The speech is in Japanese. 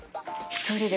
１人で？